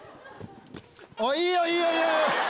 いいよいいよいいよ！